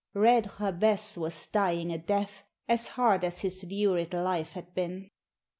Red Jabez was dying a death as hard as his lurid life had been.